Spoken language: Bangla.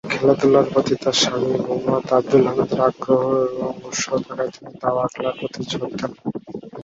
খেলাধুলার প্রতি তার স্বামী মোহাম্মাদ আব্দুল হামিদের আগ্রহ ও উৎসাহ থাকায় তিনি দাবা খেলার প্রতি জোর দেন।